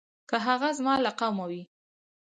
که هغه زما له قومه وي.